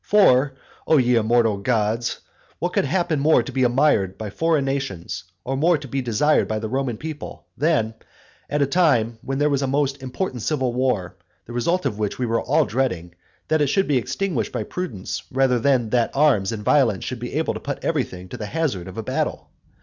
For, (O ye immortal gods!) what could happen more to be admired by foreign nations or more to be desired by the Roman people, than, at a time when there was a most important civil war, the result of which we were all dreading, that it should be extinguished by prudence rather than that arms and violence should be able to put everything to the hazard of a battle?